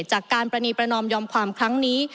ประณีประนอมยอมความครั้งนี้